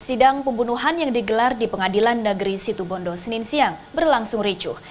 sidang pembunuhan yang digelar di pengadilan negeri situbondo senin siang berlangsung ricuh